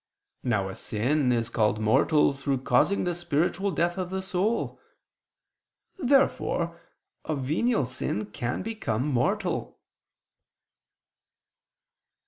Now a sin is called mortal through causing the spiritual death of the soul. Therefore a venial sin can become mortal.